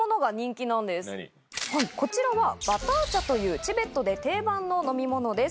こちらはバター茶というチベットで定番の飲み物です。